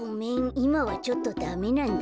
いまはちょっとダメなんだ。